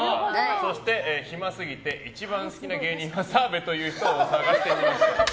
そして暇すぎて一番好きな芸人は澤部という人を探してみました。